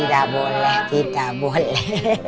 tidak boleh tidak boleh